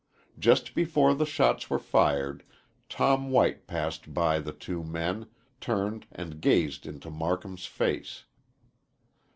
Just before the shots were fired Tom White passed by the two men, turned and gazed into Marcum's face.